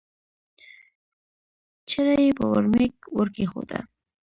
چړه یې په ورمېږ ورکېښوده